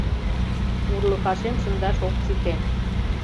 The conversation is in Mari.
— Урлыкашем шындаш ок сите.